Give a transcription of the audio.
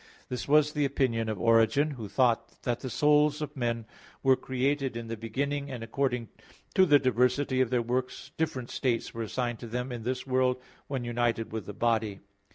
This was the opinion of Origen, who thought that the souls of men were created in the beginning, and according to the diversity of their works different states were assigned to them in this world when united with the body.